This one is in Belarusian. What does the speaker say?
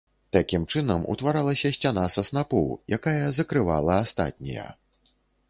Такім чынам утваралася сцяна са снапоў, якая закрывала астатнія.